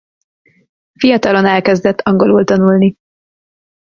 Fiatalon elkezdett angolul tanulni.